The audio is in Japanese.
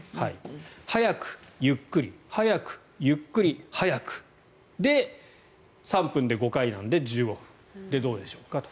速く、ゆっくり速く、ゆっくり、速くで３分で５回なので１５分でどうでしょうかと。